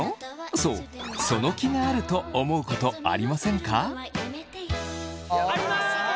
そう「その気がある？」と思うことありませんか？